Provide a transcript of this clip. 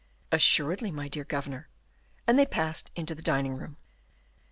"Assuredly, my dear governor," and they passed into the dining room.